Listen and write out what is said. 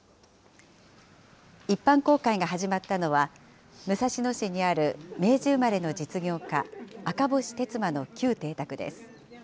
一般公開が始まったのは、武蔵野市にある明治生まれの実業家、赤星鉄馬の旧邸宅です。